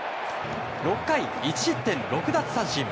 ６回１失点６奪三振。